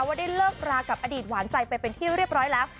ว่าได้เลิกรากับอดีตหวานใจไปเป็นที่เรียบร้อยแล้ว